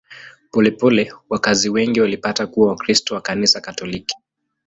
Polepole wakazi wengi walipata kuwa Wakristo wa Kanisa Katoliki.